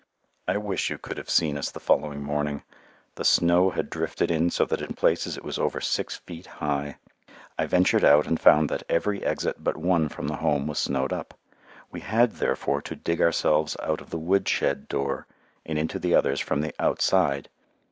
I wish you could have seen us the following morning. The snow had drifted in so that in places it was over six feet high. I ventured out and found that every exit but one from the Home was snowed up. We had therefore to dig ourselves out of the woodshed door and into the others from the outside.